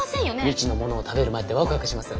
未知の物を食べる前ってワクワクしますよね？